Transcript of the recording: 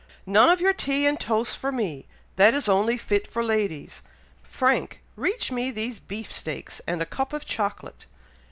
"None of your tea and toast for me! that is only fit for ladies. Frank, reach me these beef steaks, and a cup of chocolate."